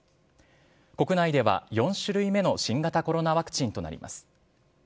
国内では４種類目の新型コロナワクチンとなります。